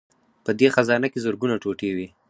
په دې خزانه کې زرګونه ټوټې وې